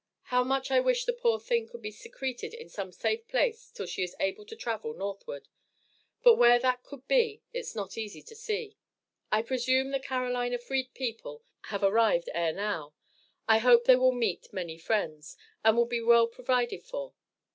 How much I wish the poor thing could be secreted in some safe place till she is able to travel Northward; but where that could be it's not easy to see. I presume the Carolina freed people have arrived ere now. I hope they will meet many friends, and be well provided for.